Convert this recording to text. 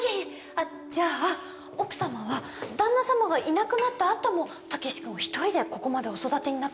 あっじゃあ奥様は旦那様がいなくなったあとも毅くんを一人でここまでお育てになったんですね。